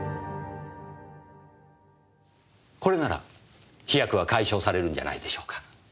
これなら飛躍は解消されるんじゃないでしょうか？